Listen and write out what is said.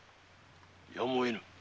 やむを得ぬ。